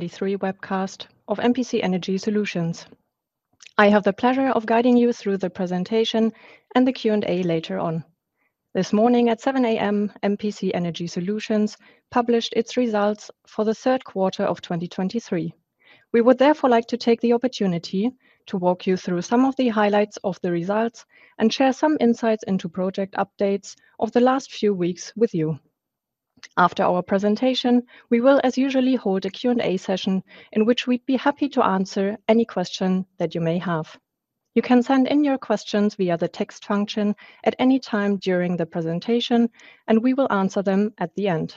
2023 webcast of MPC Energy Solutions. I have the pleasure of guiding you through the presentation and the Q&A later on. This morning at 7:00 A.M., MPC Energy Solutions published its results for the third quarter of 2023. We would therefore like to take the opportunity to walk you through some of the highlights of the results and share some insights into project updates of the last few weeks with you. After our presentation, we will, as usual, hold a Q&A session, in which we'd be happy to answer any question that you may have. You can send in your questions via the text function at any time during the presentation, and we will answer them at the end.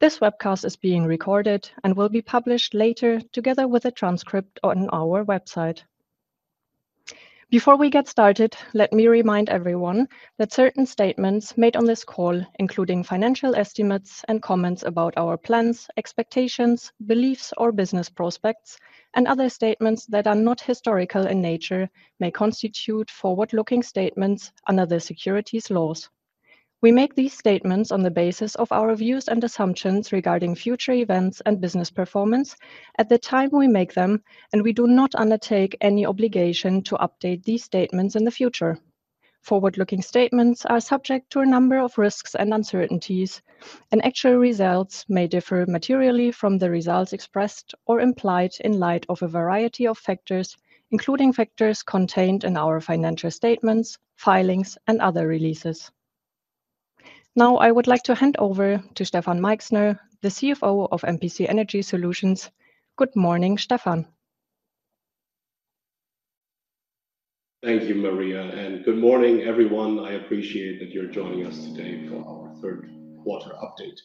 This webcast is being recorded and will be published later, together with a transcript on our website. Before we get started, let me remind everyone that certain statements made on this call, including financial estimates and comments about our plans, expectations, beliefs, or business prospects, and other statements that are not historical in nature, may constitute forward-looking statements under the securities laws. We make these statements on the basis of our views and assumptions regarding future events and business performance at the time we make them, and we do not undertake any obligation to update these statements in the future. Forward-looking statements are subject to a number of risks and uncertainties, and actual results may differ materially from the results expressed or implied in light of a variety of factors, including factors contained in our financial statements, filings, and other releases. Now, I would like to hand over to Stefan Meichsner, the CFO of MPC Energy Solutions. Good morning, Stefan. Thank you, Maria, and good morning, everyone. I appreciate that you're joining us today for our third quarter update.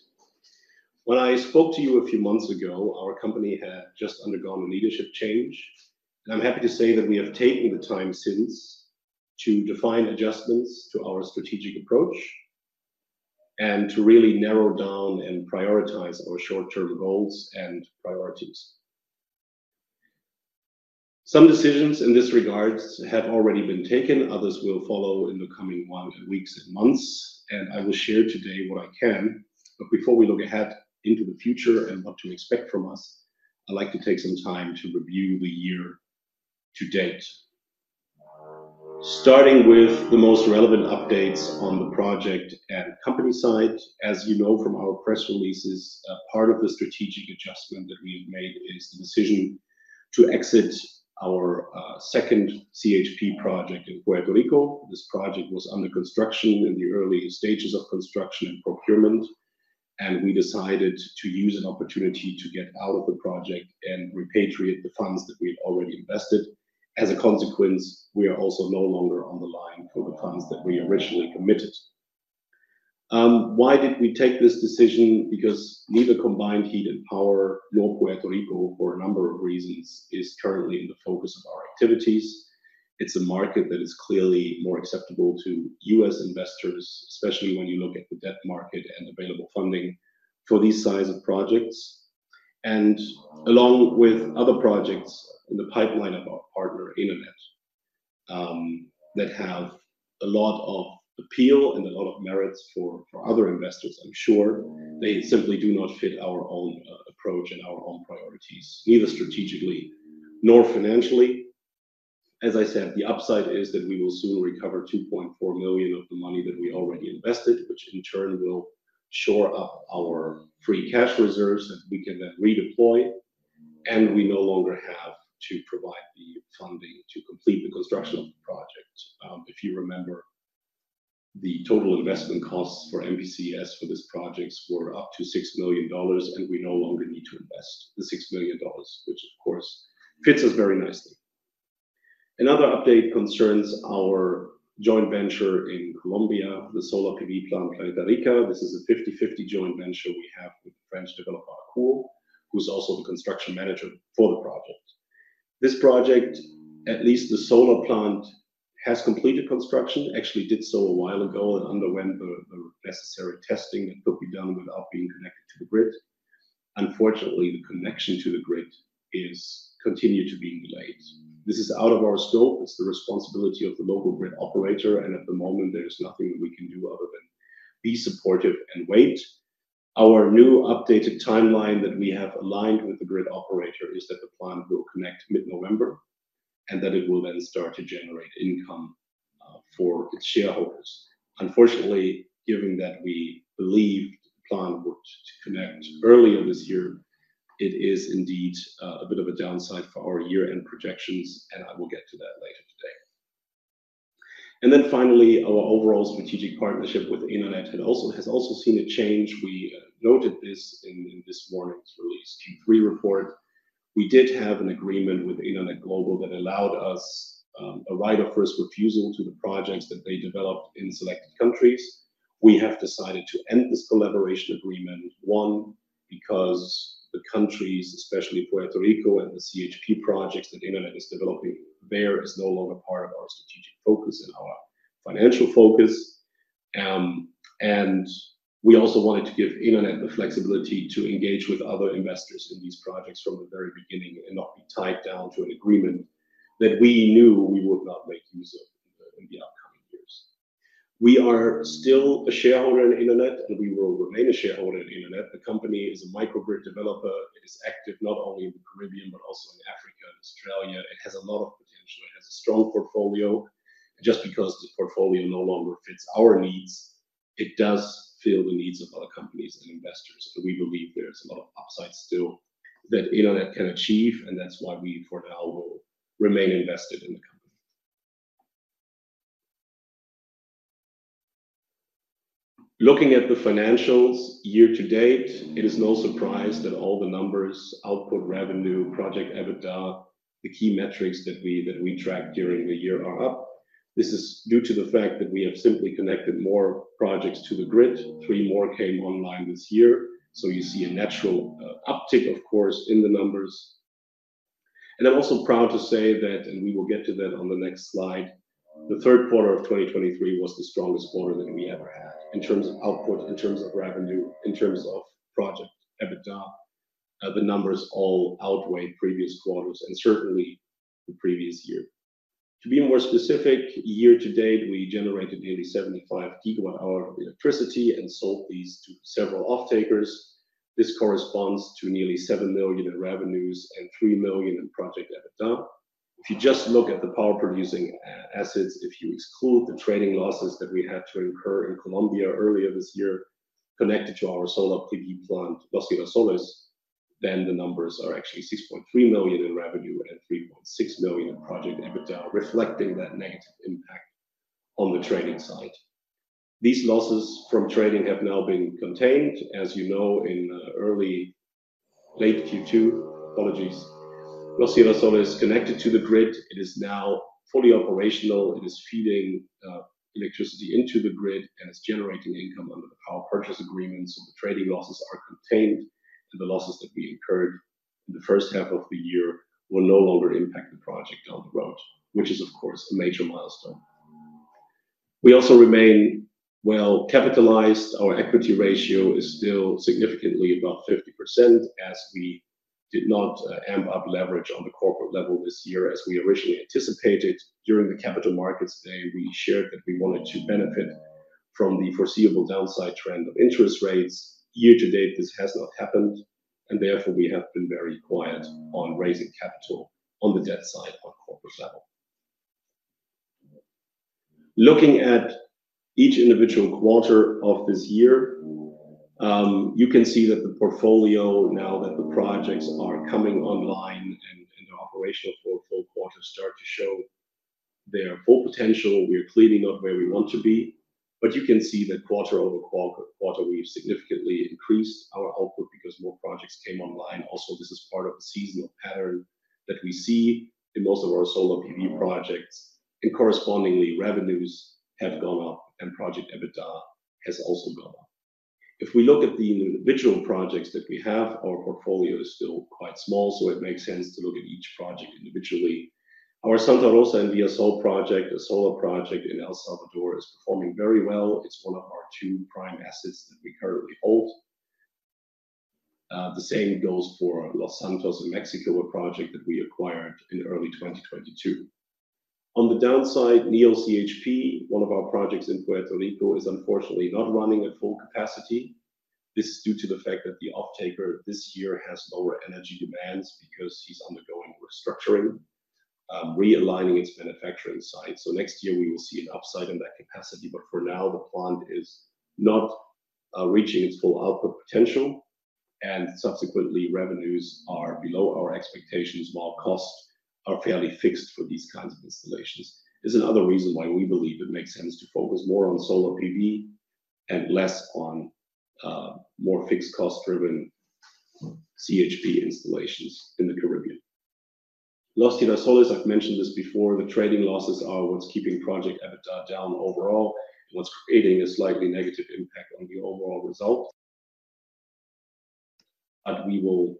When I spoke to you a few months ago, our company had just undergone a leadership change, and I'm happy to say that we have taken the time since to define adjustments to our strategic approach and to really narrow down and prioritize our short-term goals and priorities. Some decisions in this regard have already been taken, others will follow in the coming weeks and months, and I will share today what I can. But before we look ahead into the future and what to expect from us, I'd like to take some time to review the year-to-date. Starting with the most relevant updates on the project and company side, as you know from our press releases, part of the strategic adjustment that we have made is the decision to exit our second CHP project in Puerto Rico. This project was under construction in the early stages of construction and procurement, and we decided to use an opportunity to get out of the project and repatriate the funds that we had already invested. As a consequence, we are also no longer on the line for the funds that we originally committed. Why did we take this decision? Because neither combined heat and power, nor Puerto Rico, for a number of reasons, is currently in the focus of our activities. It's a market that is clearly more acceptable to U.S. investors, especially when you look at the debt market and available funding for these size of projects, and along with other projects in the pipeline of our partner, Enernet, that have a lot of appeal and a lot of merits for other investors, I'm sure. They simply do not fit our own approach and our own priorities, neither strategically nor financially. As I said, the upside is that we will soon recover $2.4 million of the money that we already invested, which in turn will shore up our free cash reserves, that we can then redeploy, and we no longer have to provide the funding to complete the construction of the project. If you remember, the total investment costs for MPCES for this project were up to $6 million, and we no longer need to invest the $6 million, which, of course, fits us very nicely. Another update concerns our joint venture in Colombia, the solar PV plant, Planeta Rica. This is a 50/50 joint venture we have with the French developer, Akuo Energy, who's also the construction manager for the project. This project, at least the solar plant, has completed construction. Actually did so a while ago and underwent the necessary testing that could be done without being connected to the grid. Unfortunately, the connection to the grid is continued to be delayed. This is out of our scope. It's the responsibility of the local grid operator, and at the moment, there is nothing that we can do other than be supportive and wait. Our new updated timeline that we have aligned with the grid operator is that the plant will connect mid-November, and that it will then start to generate income for its shareholders. Unfortunately, given that we believed the plant would connect earlier this year, it is indeed a bit of a downside for our year-end projections, and I will get to that later today. And then finally, our overall strategic partnership with Enernet, it also has also seen a change. We noted this in this morning's release, Q3 report. We did have an agreement with Enernet Global that allowed us a right of first refusal to the projects that they developed in selected countries. We have decided to end this collaboration agreement, one, because the countries, especially Puerto Rico and the CHP projects that Enernet is developing there, is no longer part of our strategic focus and our financial focus. We also wanted to give Enernet the flexibility to engage with other investors in these projects from the very beginning and not be tied down to an agreement that we knew we would not make use of in the outcome. We are still a shareholder in Enernet Global, and we will remain a shareholder in Enernet Global. The company is a microgrid developer. It is active not only in the Caribbean, but also in Africa and Australia. It has a lot of potential. It has a strong portfolio. Just because the portfolio no longer fits our needs, it does fill the needs of other companies and investors. So we believe there's a lot of upside still that Enernet Global can achieve, and that's why we, for now, will remain invested in the company. Looking at the financials year-to-date, it is no surprise that all the numbers, output, revenue, project EBITDA, the key metrics that we tracked during the year are up. This is due to the fact that we have simply connected more projects to the grid. Three more came online this year, so you see a natural uptick, of course, in the numbers. And I'm also proud to say that, and we will get to that on the next slide, the third quarter of 2023 was the strongest quarter that we ever had. In terms of output, in terms of revenue, in terms of project EBITDA, the numbers all outweighed previous quarters, and certainly the previous year. To be more specific, year-to-date, we generated nearly 75 GWh of electricity and sold these to several off-takers. This corresponds to nearly $7 million in revenues and $3 million in project EBITDA. If you just look at the power-producing assets, if you exclude the trading losses that we had to incur in Colombia earlier this year, connected to our solar PV plant, Los Girasoles, then the numbers are actually $6.3 million in revenue and $3.6 million in project EBITDA, reflecting that negative impact on the trading side. These losses from trading have now been contained. As you know, in late Q2, apologies, Los Girasoles connected to the grid. It is now fully operational. It is feeding electricity into the grid, and it's generating income under the power purchase agreements, so the trading losses are contained, and the losses that we incurred in the first half of the year will no longer impact the project down the road, which is, of course, a major milestone. We also remain well-capitalized. Our equity ratio is still significantly above 50%, as we did not amp up leverage on the corporate level this year as we originally anticipated. During the Capital Markets Day, we shared that we wanted to benefit from the foreseeable downside trend of interest rates. Year-to-date, this has not happened, and therefore, we have been very quiet on raising capital on the debt side on corporate level. Looking at each individual quarter of this year, you can see that the portfolio, now that the projects are coming online and the operational full quarters start to show their full potential, we are cleaning up where we want to be. But you can see that quarter over quarter, we've significantly increased our output because more projects came online. Also, this is part of the seasonal pattern that we see in most of our solar PV projects, and correspondingly, revenues have gone up and project EBITDA has also gone up. If we look at the individual projects that we have, our portfolio is still quite small, so it makes sense to look at each project individually. Our Santa Rosa and Villa Sol project, a solar project in El Salvador, is performing very well. It's one of our two prime assets that we currently hold. The same goes for Los Santos in Mexico, a project that we acquired in early 2022. On the downside, Neol CHP, one of our projects in Puerto Rico, is unfortunately not running at full capacity. This is due to the fact that the off-taker this year has lower energy demands because he's undergoing restructuring, realigning its manufacturing site. So next year we will see an upside in that capacity, but for now, the plant is not reaching its full output potential, and subsequently, revenues are below our expectations, while costs are fairly fixed for these kinds of installations. There's another reason why we believe it makes sense to focus more on solar PV and less on more fixed cost-driven CHP installations in the Caribbean. Los Girasoles, I've mentioned this before, the trading losses are what's keeping project EBITDA down overall and what's creating a slightly negative impact on the overall result. But we will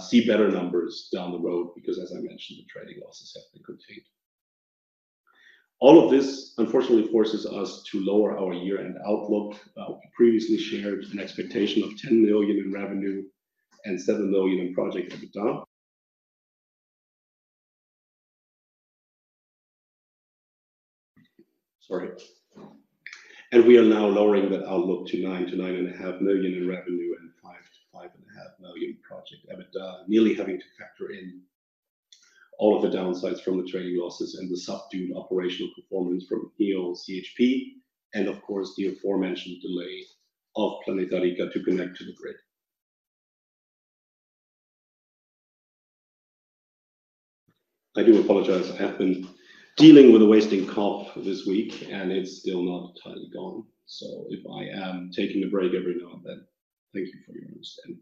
see better numbers down the road because, as I mentioned, the trading losses have been contained. All of this, unfortunately, forces us to lower our year-end outlook. We previously shared an expectation of $10 million in revenue and $7 million in project EBITDA. Sorry. And we are now lowering that outlook to $9 million-$9.5 million in revenue and $5 million-$5.5 million project EBITDA, merely having to factor in all of the downsides from the trading losses and the subdued operational performance from Neol CHP, and of course, the aforementioned delay of Planeta Rica to connect to the grid. I do apologize, I have been dealing with a wasting cough this week, and it's still not entirely gone. So if I am taking a break every now and then, thank you for your understanding.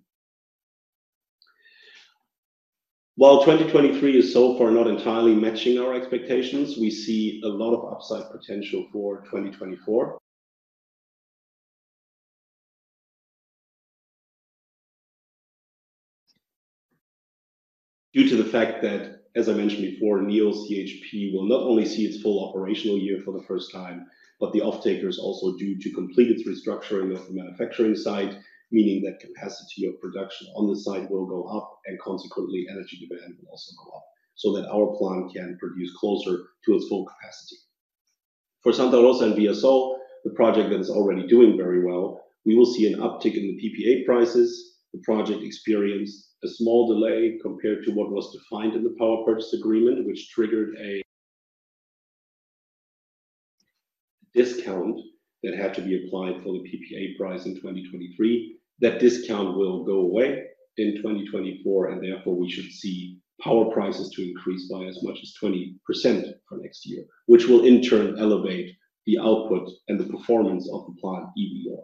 While 2023 is so far not entirely matching our expectations, we see a lot of upside potential for 2024. Due to the fact that, as I mentioned before, Neol CHP will not only see its full operational year for the first time, but the off-taker is also due to complete its restructuring of the manufacturing site, meaning that capacity of production on the site will go up, and consequently, energy demand will also go up, so that our plant can produce closer to its full capacity. For Santa Rosa and Villa Sol, the project that is already doing very well, we will see an uptick in the PPA prices. The project experienced a small delay compared to what was defined in the power purchase agreement, which triggered a discount that had to be applied for the PPA price in 2023. That discount will go away in 2024, and therefore, we should see power prices to increase by as much as 20% for next year, which will in turn elevate the output and the performance of the plant EBITDA.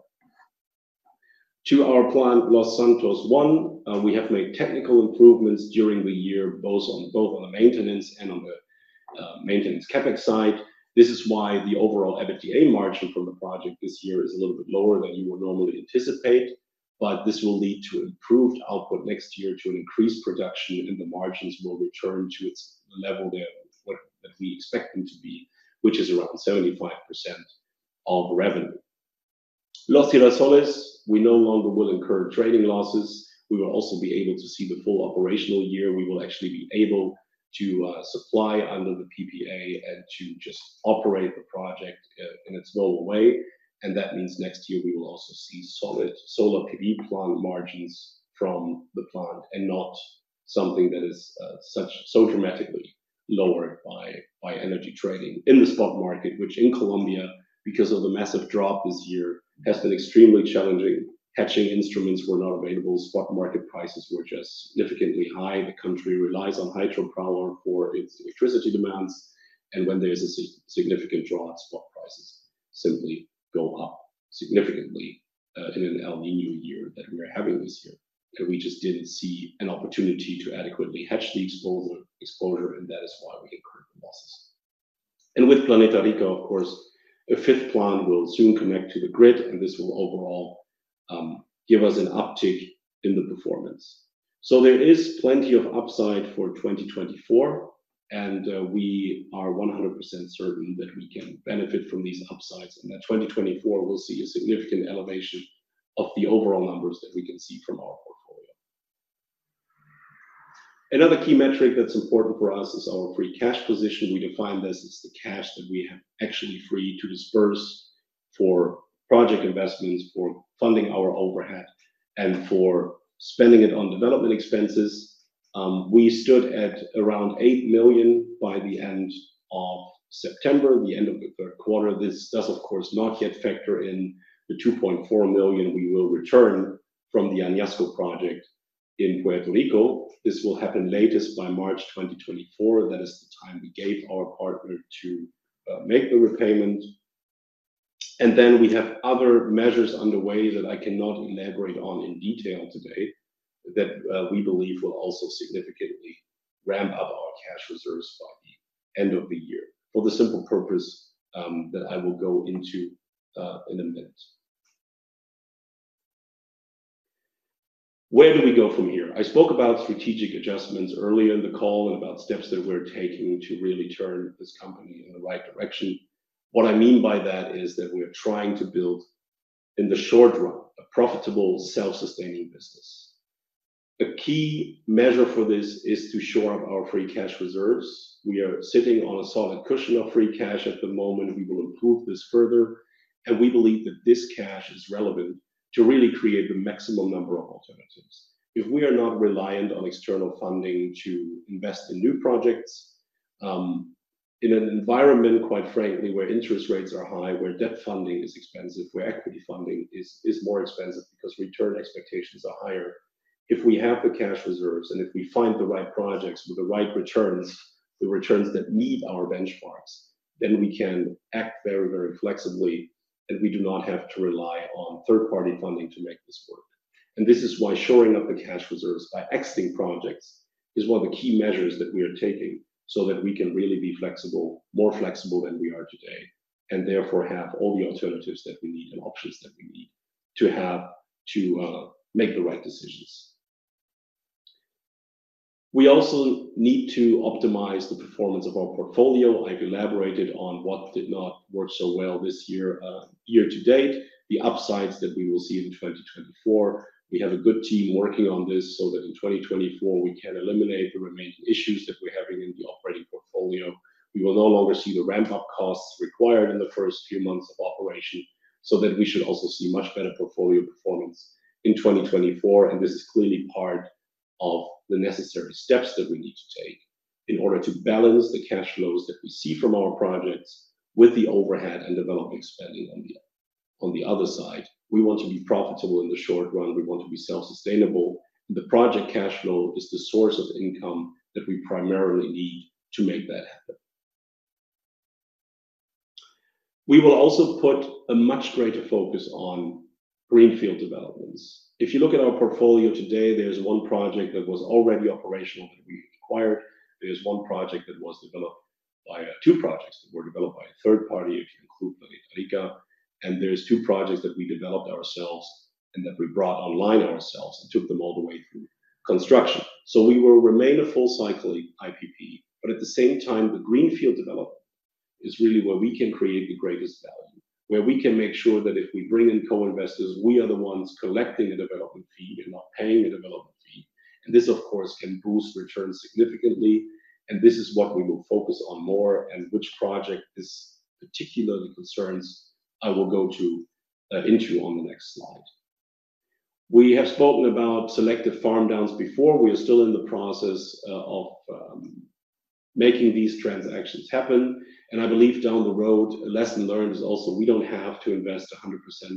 To our plant, Los Santos I, we have made technical improvements during the year, both on the maintenance and on the maintenance CapEx side. This is why the overall EBITDA margin from the project this year is a little bit lower than you would normally anticipate, but this will lead to improved output next year to an increased production, and then the margins will return to its level there, that we expect them to be, which is around 75% of revenue. Los Girasoles, we no longer will incur trading losses. We will also be able to see the full operational year. We will actually be able to supply under the PPA and to just operate the project in its normal way, and that means next year we will also see solid solar PV plant margins from the plant and not something that is such so dramatically lowered by energy trading. In the spot market, which in Colombia, because of the massive drop this year, has been extremely challenging. Hedging instruments were not available, spot market prices were just significantly high. The country relies on hydropower for its electricity demands, and when there is a significant drop, spot prices simply go up significantly in an El Niño year that we are having this year. And we just didn't see an opportunity to adequately hedge the exposure, and that is why we incurred the losses. And with Planeta Rica, of course, a fifth plant will soon connect to the grid, and this will overall give us an uptick in the performance. So there is plenty of upside for 2024, and we are 100% certain that we can benefit from these upsides, and that 2024 will see a significant elevation of the overall numbers that we can see from our portfolio. Another key metric that's important for us is our free cash position. We define this as the cash that we have actually free to disperse for project investments, for funding our overhead, and for spending it on development expenses. We stood at around $8 million by the end of September, the end of the third quarter. This does, of course, not yet factor in the $2.4 million we will return from the Añasco project in Puerto Rico. This will happen latest by March 2024. That is the time we gave our partner to make the repayment. And then we have other measures underway that I cannot elaborate on in detail today, that we believe will also significantly ramp up our cash reserves by the end of the year, for the simple purpose that I will go into in a minute. Where do we go from here? I spoke about strategic adjustments earlier in the call and about steps that we're taking to really turn this company in the right direction. What I mean by that is that we are trying to build, in the short run, a profitable, self-sustaining business. A key measure for this is to shore up our free cash reserves. We are sitting on a solid cushion of free cash at the moment. We will improve this further, and we believe that this cash is relevant to really create the maximum number of alternatives. If we are not reliant on external funding to invest in new projects, in an environment, quite frankly, where interest rates are high, where debt funding is expensive, where equity funding is more expensive because return expectations are higher. If we have the cash reserves, and if we find the right projects with the right returns, the returns that meet our benchmarks, then we can act very, very flexibly, and we do not have to rely on third-party funding to make this work. And this is why shoring up the cash reserves by exiting projects is one of the key measures that we are taking, so that we can really be flexible, more flexible than we are today, and therefore have all the alternatives that we need and options that we need to have to make the right decisions. We also need to optimize the performance of our portfolio. I've elaborated on what did not work so well this year, year-to-date, the upsides that we will see in 2024. We have a good team working on this so that in 2024, we can eliminate the remaining issues that we're having in the operating portfolio. We will no longer see the ramp-up costs required in the first few months of operation, so that we should also see much better portfolio performance in 2024, and this is clearly part of the necessary steps that we need to take in order to balance the cash flows that we see from our projects with the overhead and development spending on the, on the other side. We want to be profitable in the short run. We want to be self-sustainable. The project cash flow is the source of income that we primarily need to make that happen. We will also put a much greater focus on greenfield developments. If you look at our portfolio today, there's one project that was already operational that we acquired. There's one project that was developed by two projects that were developed by a third party, if you include Planeta Rica, and there's two projects that we developed ourselves and that we brought online ourselves and took them all the way through construction. So we will remain a full-cycle IPP, but at the same time, the greenfield development is really where we can create the greatest value, where we can make sure that if we bring in co-investors, we are the ones collecting the development fee and not paying the development fee. And this, of course, can boost returns significantly, and this is what we will focus on more, and which project this particularly concerns, I will go into on the next slide. We have spoken about selective farm downs before. We are still in the process of making these transactions happen, and I believe down the road, a lesson learned is also we don't have to invest 100%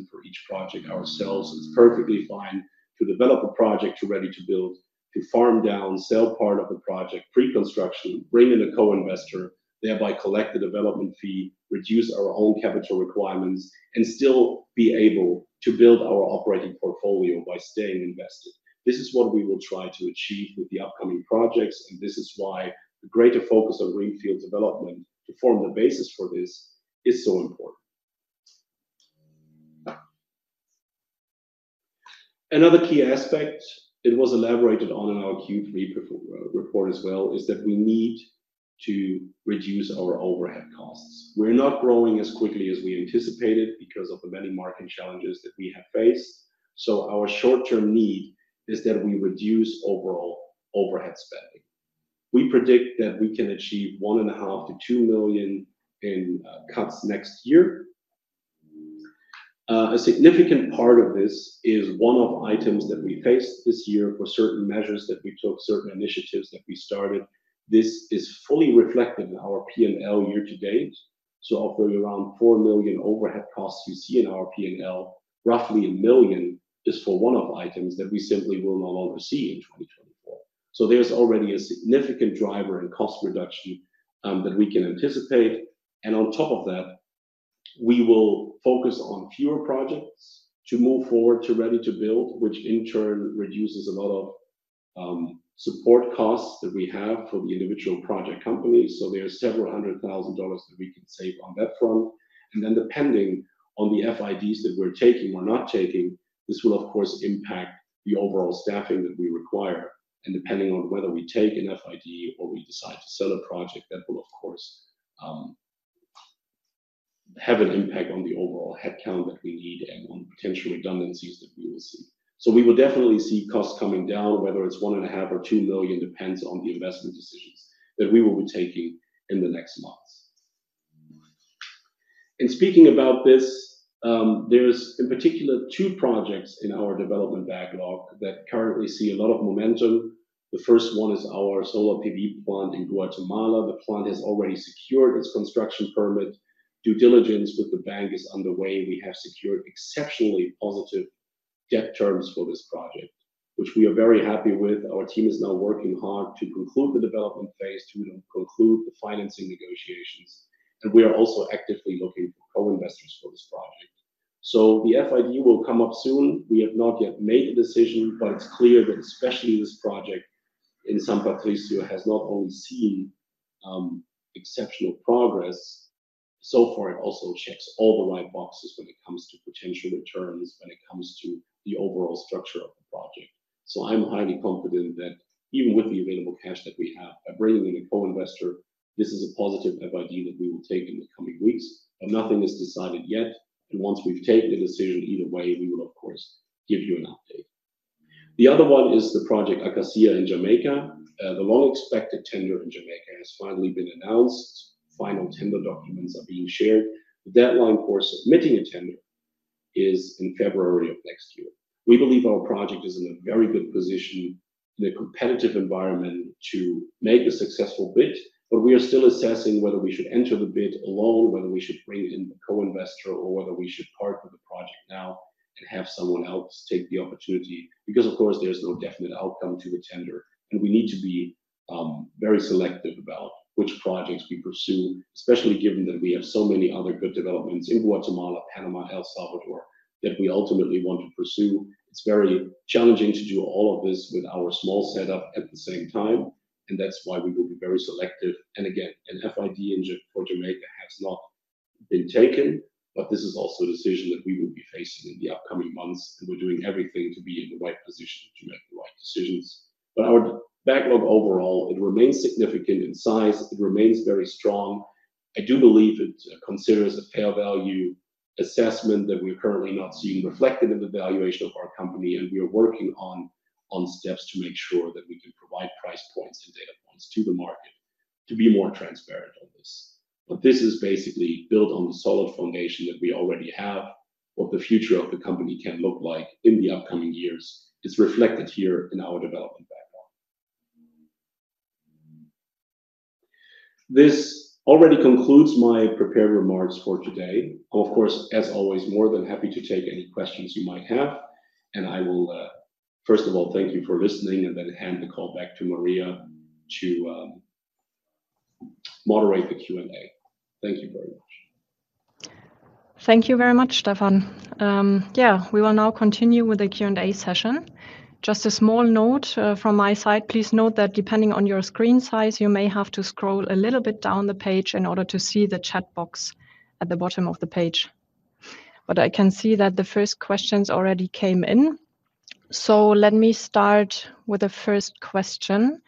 for each project ourselves. It's perfectly fine to develop a project to ready to build, to farm down, sell part of the project, pre-construction, bring in a co-investor, thereby collect the development fee, reduce our own capital requirements, and still be able to build our operating portfolio by staying invested. This is what we will try to achieve with the upcoming projects, and this is why the greater focus on greenfield development to form the basis for this is so important. Another key aspect, it was elaborated on in our Q3 report as well, is that we need to reduce our overhead costs. We're not growing as quickly as we anticipated because of the many market challenges that we have faced, so our short-term need is that we reduce overall overhead spending. We predict that we can achieve $1.5 million-$2 million in cuts next year. A significant part of this is one-off items that we faced this year, or certain measures that we took, certain initiatives that we started. This is fully reflected in our P&L year-to-date. So of the around $4 million overhead costs you see in our P&L, roughly $1 million is for one-off items that we simply will no longer see in 2024. There's already a significant driver in cost reduction that we can anticipate, and on top of that, we will focus on fewer projects to move forward to ready-to-build, which in turn reduces a lot of support costs that we have for the individual project companies. There are several hundred thousand dollars that we can save on that front. Then depending on the FIDs that we're taking or not taking, this will of course impact the overall staffing that we require, and depending on whether we take an FID or we decide to sell a project, that will of course have an impact on the overall headcount that we need and on potential redundancies that we will see. So we will definitely see costs coming down, whether it's $1.5 million-$2 million, depends on the investment decisions that we will be taking in the next months. Speaking about this, there's in particular two projects in our development backlog that currently see a lot of momentum. The first one is our solar PV plant in Guatemala. The plant has already secured its construction permit. Due diligence with the bank is underway. We have secured exceptionally positive debt terms for this project, which we are very happy with. Our team is now working hard to conclude the development phase, to conclude the financing negotiations, and we are also actively looking for co-investors for this project. So the FID will come up soon. We have not yet made a decision, but it's clear that especially this project in San Patricio has not only seen exceptional progress so far, it also checks all the right boxes when it comes to potential returns, when it comes to the overall structure of the project. So I'm highly confident that even with the available cash that we have, by bringing in a co-investor, this is a positive FID that we will take in the coming weeks, but nothing is decided yet, and once we've taken a decision, either way, we will of course give you an update. The other one is the project Acacia in Jamaica. The long-expected tender in Jamaica has finally been announced. Final tender documents are being shared. The deadline for submitting a tender is in February of next year. We believe our project is in a very good position in a competitive environment to make a successful bid, but we are still assessing whether we should enter the bid alone, whether we should bring in a co-investor, or whether we should part with the project now and have someone else take the opportunity, because of course, there's no definite outcome to the tender, and we need to be very selective about which projects we pursue, especially given that we have so many other good developments in Guatemala, Panama, El Salvador, that we ultimately want to pursue. It's very challenging to do all of this with our small setup at the same time, and that's why we will be very selective. And again, an FID in Jamaica has not been taken, but this is also a decision that we will be facing in the upcoming months, and we're doing everything to be in the right position to make the right decisions. But our backlog overall, it remains significant in size. It remains very strong. I do believe it considers a fair value assessment that we're currently not seeing reflected in the valuation of our company, and we are working on steps to make sure that we can provide price points and data points to the market to be more transparent on this. But this is basically built on the solid foundation that we already have. What the future of the company can look like in the upcoming years is reflected here in our development backlog. This already concludes my prepared remarks for today. Of course, as always, more than happy to take any questions you might have, and I will first of all thank you for listening and then hand the call back to Maria to moderate the Q&A. Thank you very much. Thank you very much, Stefan. Yeah, we will now continue with the Q&A session. Just a small note from my side, please note that depending on your screen size, you may have to scroll a little bit down the page in order to see the chat box at the bottom of the page, but I can see that the first questions already came in. So let me start with the first question.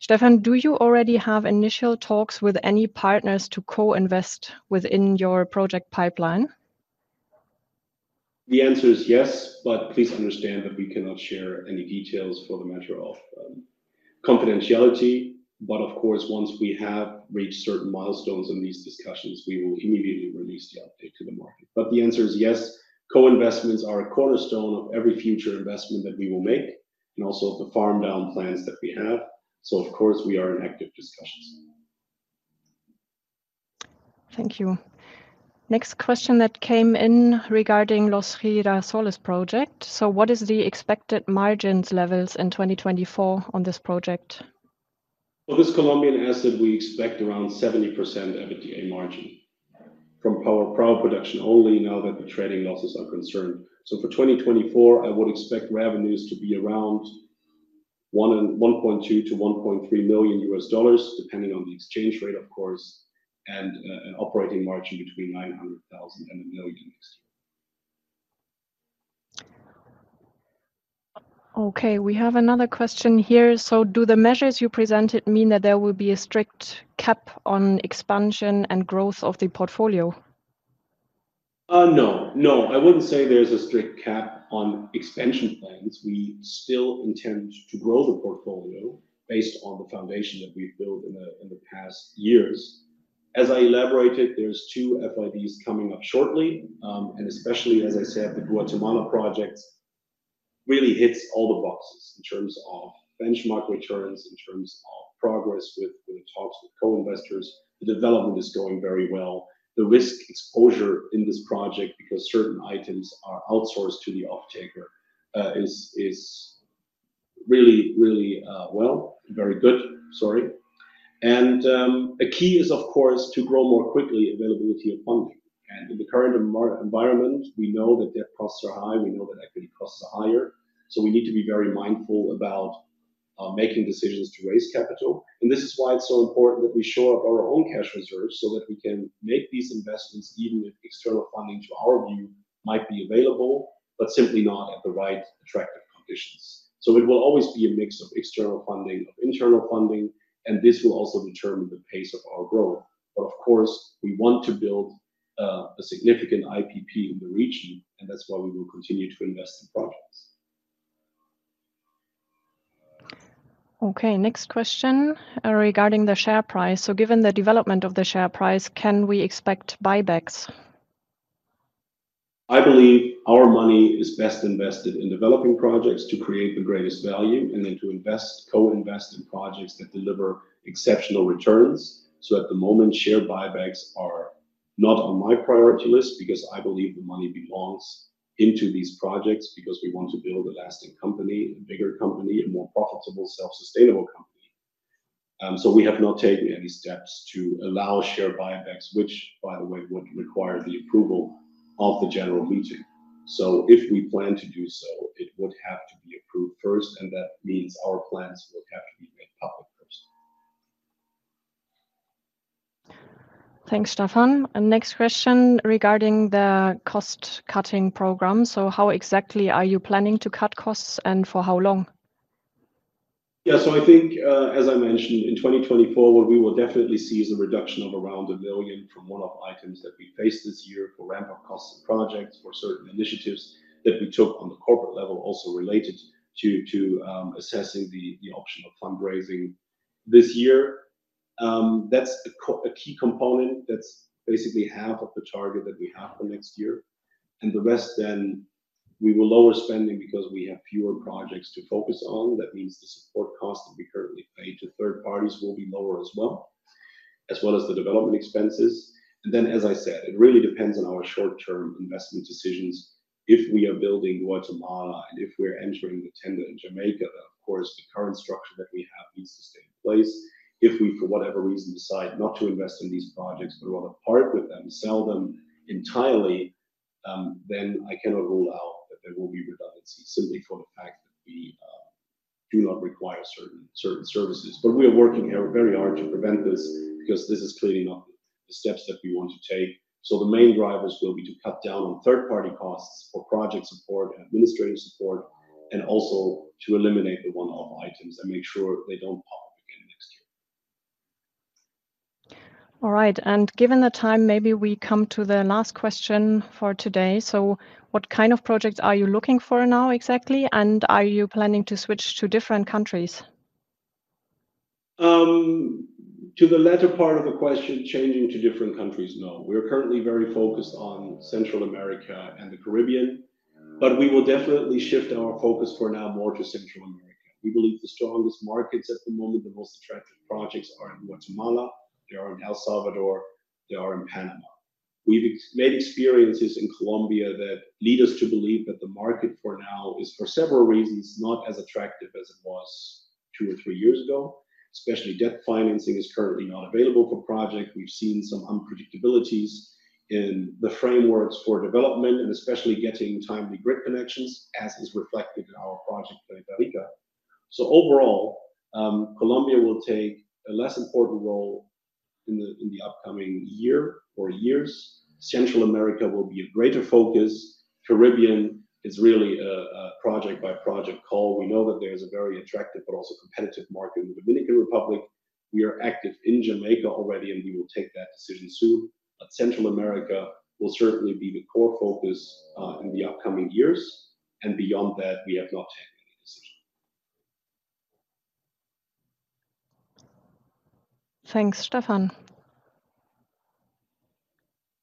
Stefan, do you already have initial talks with any partners to co-invest within your project pipeline? The answer is yes, but please understand that we cannot share any details for the matter of confidentiality. But of course, once we have reached certain milestones in these discussions, we will immediately release the update to the market. But the answer is yes, co-investments are a cornerstone of every future investment that we will make, and also the farm-down plans that we have. So of course, we are in active discussions. Thank you. Next question that came in regarding Los Girasoles project. So what is the expected margins levels in 2024 on this project? For this Colombian asset, we expect around 70% EBITDA margin from power, power production only, now that the trading losses are concerned. So for 2024, I would expect revenues to be around $1.2 million-$1.3 million, depending on the exchange rate, of course, and an operating margin between $900,000 and $1 million next year. Okay, we have another question here. So do the measures you presented mean that there will be a strict cap on expansion and growth of the portfolio? No. No, I wouldn't say there's a strict cap on expansion plans. We still intend to grow the portfolio based on the foundation that we've built in the past years. As I elaborated, there's two FIDs coming up shortly, and especially, as I said, the Guatemala projects really hits all the boxes in terms of benchmark returns, in terms of progress with the talks with co-investors. The development is going very well. The risk exposure in this project, because certain items are outsourced to the off-taker, is really, really well, very good. And, the key is, of course, to grow more quickly availability of funding. And in the current environment, we know that debt costs are high, we know that equity costs are higher, so we need to be very mindful about making decisions to raise capital. And this is why it's so important that we shore up our own cash reserves, so that we can make these investments, even if external funding, to our view, might be available, but simply not at the right attractive conditions. So it will always be a mix of external funding, of internal funding, and this will also determine the pace of our growth. But of course, we want to build a significant IPP in the region, and that's why we will continue to invest in projects. Okay, next question, regarding the share price. So given the development of the share price, can we expect buybacks? I believe our money is best invested in developing projects to create the greatest value, and then to invest, co-invest in projects that deliver exceptional returns. So at the moment, share buybacks are not on my priority list because I believe the money belongs into these projects, because we want to build a lasting company, a bigger company, a more profitable, self-sustainable company. So we have not taken any steps to allow share buybacks, which, by the way, would require the approval of the general meeting. So if we plan to do so, it would have to be approved first, and that means our plans will have to be made public first. Thanks, Stefan. Next question regarding the cost-cutting program. How exactly are you planning to cut costs and for how long? Yeah, so I think, as I mentioned, in 2024, what we will definitely see is a reduction of around $1 billion from one-off items that we faced this year for ramp-up costs and projects, for certain initiatives that we took on the corporate level, also related to assessing the option of fundraising this year. That's a key component. That's basically half of the target that we have for next year. And the rest then, we will lower spending because we have fewer projects to focus on. That means the support costs that we currently pay to third parties will be lower as well, as well as the development expenses. And then, as I said, it really depends on our short-term investment decisions. If we are building Guatemala, and if we're entering the tender in Jamaica, then of course, the current structure that we have needs to stay in place. If we, for whatever reason, decide not to invest in these projects, but want to part with them, sell them entirely, then I cannot rule out that there will be redundancy simply for the fact that we do not require certain services. But we are working very hard to prevent this, because this is clearly not the steps that we want to take. So the main drivers will be to cut down on third-party costs for project support and administrative support, and also to eliminate the one-off items and make sure they don't pop up again next year. All right, and given the time, maybe we come to the last question for today. So what kind of projects are you looking for now, exactly, and are you planning to switch to different countries? To the latter part of the question, changing to different countries, no. We are currently very focused on Central America and the Caribbean, but we will definitely shift our focus for now more to Central America. We believe the strongest markets at the moment, the most attractive projects are in Guatemala, they are in El Salvador, they are in Panama. We've made experiences in Colombia that lead us to believe that the market for now is, for several reasons, not as attractive as it was two or three years ago. Especially debt financing is currently not available for project. We've seen some unpredictabilities in the frameworks for development, and especially getting timely grid connections, as is reflected in our project in Planeta Rica. So overall, Colombia will take a less important role in the upcoming year or years. Central America will be a greater focus. Caribbean is really a project-by-project call. We know that there is a very attractive but also competitive market in the Dominican Republic. We are active in Jamaica already, and we will take that decision soon. But Central America will certainly be the core focus in the upcoming years, and beyond that, we have not taken any decision. Thanks, Stefan.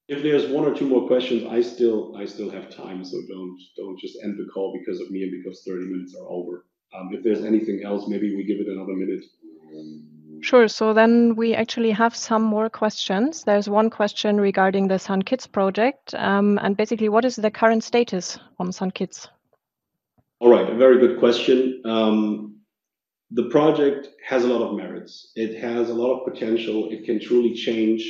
If there's one or two more questions, I still, I still have time, so don't, don't just end the call because of me and because 30 minutes are over. If there's anything else, maybe we give it another minute. Sure. So then we actually have some more questions. There's one question regarding the St. Kitts project. Basically, what is the current status on St. Kitts? All right. A very good question. The project has a lot of merits. It has a lot of potential. It can truly change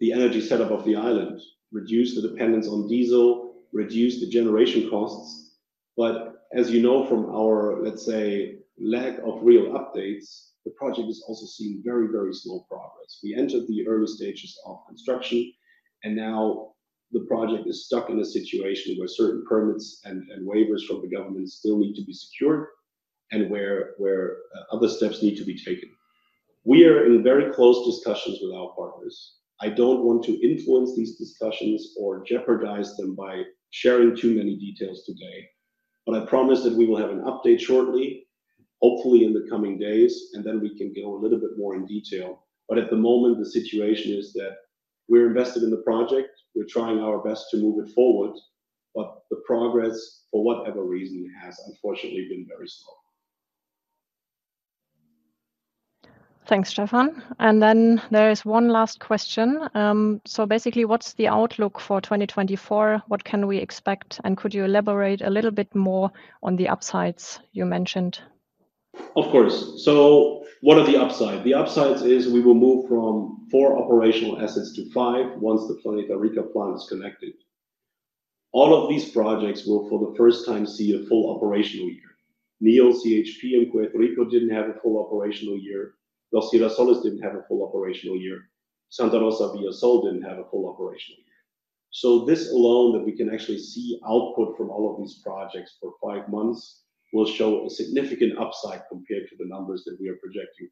the energy setup of the island, reduce the dependence on diesel, reduce the generation costs. But as you know from our, let's say, lack of real updates, the project has also seen very, very slow progress. We entered the early stages of construction, and now the project is stuck in a situation where certain permits and waivers from the government still need to be secured and where other steps need to be taken. We are in very close discussions with our partners. I don't want to influence these discussions or jeopardize them by sharing too many details today, but I promise that we will have an update shortly, hopefully in the coming days, and then we can go a little bit more in detail. But at the moment, the situation is that we're invested in the project, we're trying our best to move it forward, but the progress, for whatever reason, has unfortunately been very slow. Thanks, Stefan. And then there is one last question. So basically, what's the outlook for 2024? What can we expect, and could you elaborate a little bit more on the upsides you mentioned? Of course. So what are the upside? The upsides is we will move from four operational assets to five, once the Planeta Rica plant is connected. All of these projects will, for the first time, see a full operational year. Neol CHP in Puerto Rico didn't have a full operational year. Los Girasoles didn't have a full operational year. Santa Rosa didn't have a full operational year. So this alone, that we can actually see output from all of these projects for five months, will show a significant upside compared to the numbers that we are projecting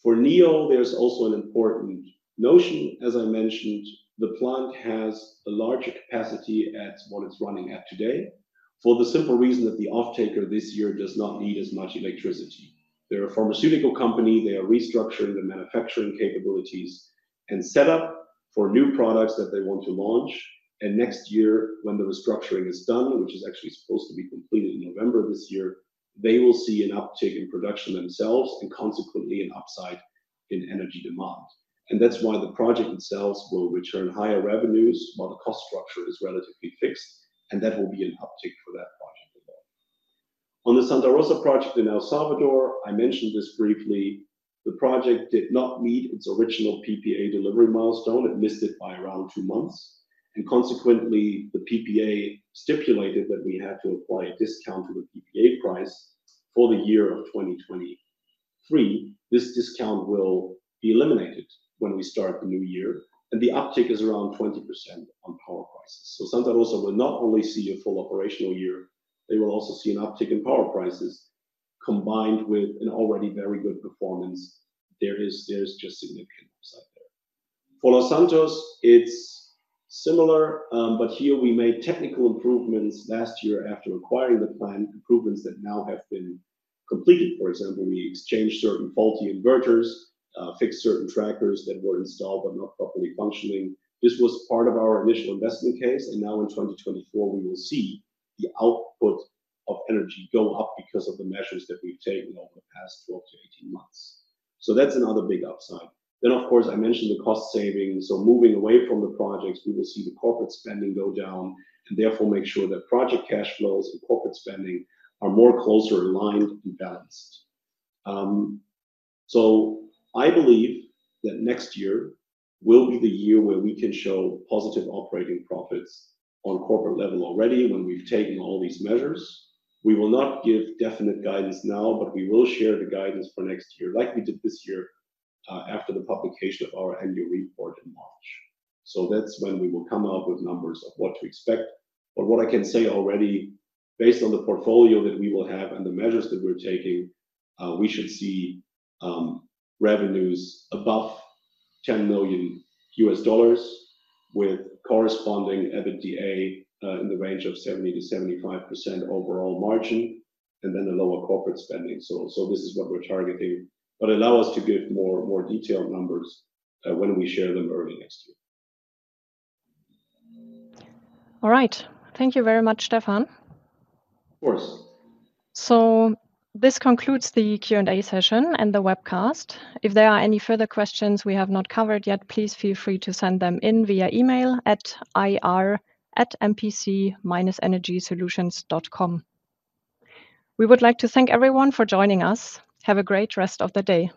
for 2024. For Neol, there's also an important notion. As I mentioned, the plant has a larger capacity at what it's running at today, for the simple reason that the off-taker this year does not need as much electricity. They're a pharmaceutical company. They are restructuring the manufacturing capabilities and set up for new products that they want to launch. Next year, when the restructuring is done, which is actually supposed to be completed in November of this year, they will see an uptick in production themselves and consequently an upside in energy demand. That's why the project themselves will return higher revenues, while the cost structure is relatively fixed, and that will be an uptick for that project as well. On the Santa Rosa project in El Salvador, I mentioned this briefly. The project did not meet its original PPA delivery milestone. It missed it by around two months, and consequently, the PPA stipulated that we had to apply a discount to the PPA price for the year of 2023. This discount will be eliminated when we start the new year, and the uptick is around 20% on power prices. So Santa Rosa will not only see a full operational year, they will also see an uptick in power prices, combined with an already very good performance. There is just significant upside there. For Los Santos, it's similar, but here we made technical improvements last year after acquiring the plant, improvements that now have been completed. For example, we exchanged certain faulty inverters, fixed certain trackers that were installed but not properly functioning. This was part of our initial investment case, and now in 2024, we will see the output of energy go up because of the measures that we've taken over the past 12-18 months. So that's another big upside. Then, of course, I mentioned the cost savings. So moving away from the projects, we will see the corporate spending go down, and therefore make sure that project cash flows and corporate spending are more closer aligned and balanced. So I believe that next year will be the year where we can show positive operating profits on corporate level already, when we've taken all these measures. We will not give definite guidance now, but we will share the guidance for next year, like we did this year, after the publication of our annual report in March. So that's when we will come up with numbers of what to expect. But what I can say already, based on the portfolio that we will have and the measures that we're taking, we should see revenues above $10 million, with corresponding EBITDA in the range of 70%-75% overall margin, and then a lower corporate spending. So, so this is what we're targeting, but allow us to give more, more detailed numbers when we share them early next year. All right. Thank you very much, Stefan. Of course. This concludes the Q&A session and the webcast. If there are any further questions we have not covered yet, please feel free to send them in via email at ir@mpc-energysolutions.com. We would like to thank everyone for joining us. Have a great rest of the day.